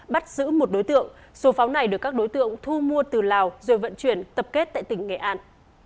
bắt giữ một đối tượng số pháo này được các đối tượng thu mua từ lào rồi vận chuyển tập kết tại tỉnh nghệ an